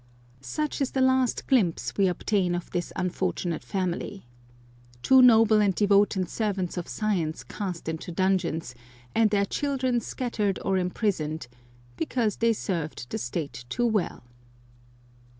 Such is the last glimpse we obtain of this un fortunate family. Two noble and devoted servants of science cast into dungeons, and their children scattered or imprisoned — because they served the State too well.